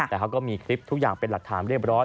แต่เขาก็มีคลิปทุกอย่างเป็นหลักฐานเรียบร้อย